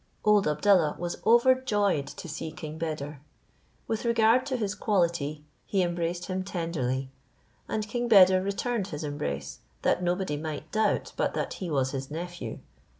Old Abdallah was overjoyed to see king Beder. Without regard to his quality, he embraced him tenderly, and King Beder returned his embrace, that nobody might doubt but that he was his nephew.